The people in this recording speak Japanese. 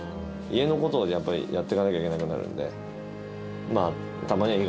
家のことをやっぱりやってかなきゃいけなくなるんで。